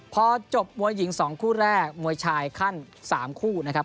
พอจบมวยหญิง๒คู่แรกมวยชายขั้น๓คู่นะครับ